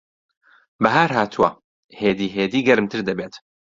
بەھار ھاتووە. ھێدی ھێدی گەرمتر دەبێت.